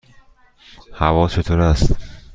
هوا چطور است؟